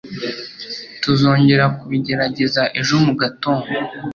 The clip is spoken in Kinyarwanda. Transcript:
Tuzongera kubigerageza ejo mu gatondo.